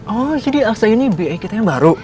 oh jadi elsa ini bi kita yang baru